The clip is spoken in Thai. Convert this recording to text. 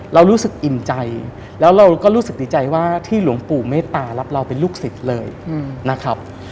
เรารู้สึกอิ่มใจแล้วเราก็รู้สึกดีใจว่าที่หลวงปู่เมตตารับเราเป็นลูกศิษย์เลยนะครับ